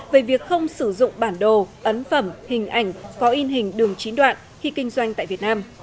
về việc không sử dụng bản đồ ấn phẩm hình ảnh có in hình đường chín đoạn khi kinh doanh tại việt nam